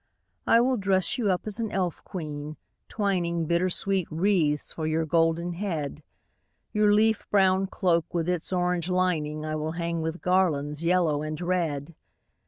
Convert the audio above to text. I will dress you up as an elf queen, twining Bittersweet wreaths for your golden head. Your leaf brown cloak with its orange lining I will hang with garlands yellow and red.